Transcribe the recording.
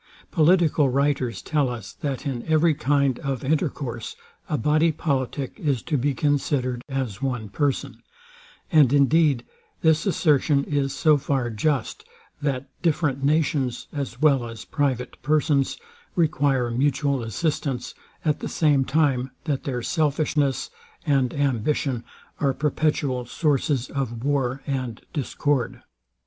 Political writers tell us, that in every kind of intercourse, a body politic is to be considered as one person; and indeed this assertion is so far just, that different nations, as well as private persons, require mutual assistance; at the same time that their selfishness and ambition are perpetual sources of war and discord.